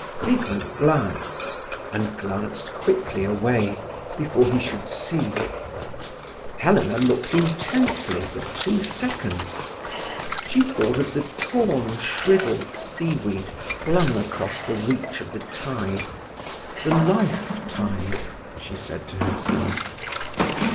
Siegmund glanced, and glanced quickly away, before he should see. Helena looked intently for two seconds. She thought of the torn, shrivelled seaweed flung above the reach of the tide—"the life tide," she said to herself.